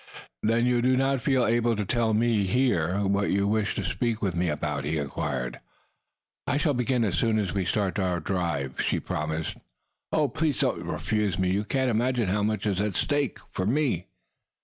"Then you do not feel able to tell me, here, what you wish to speak with me about?" he inquired. "I shall begin as soon as we start on our drive," she promised. "Oh, please do not refuse me. You cannot imagine how much is at stake for me!"